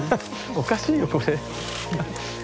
おかしいよこれ。